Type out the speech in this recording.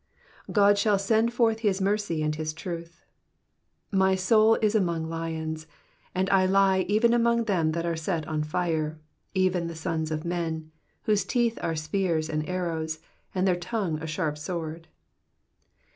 God shall send forth his mercy and his truth. 4 My soul is among lions : a?td I lie even among them that are set on fire, even the sons of men, whose teeth are spears and arrows, and their tongue a sharp sword.